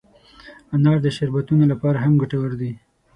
انار د شربتونو لپاره هم ګټور دی.